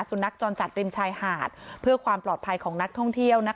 สุนัขจรจัดริมชายหาดเพื่อความปลอดภัยของนักท่องเที่ยว